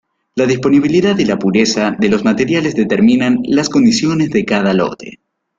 La disponibilidad y la pureza de los materiales determinan las condiciones de cada lote.